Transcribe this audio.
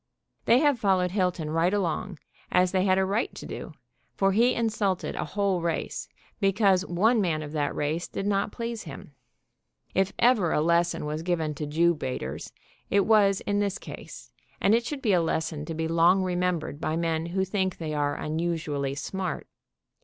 They have followed Hilton right along, as they had a right to do, for he insulted a whole race, because one man of that race did not please him. If ever a lesson was given to Jew baiters, it was in this case, and it should be a lesson to be long remembered by men who think they are unusually AMERICAN JEW BAITER DEAD III smart.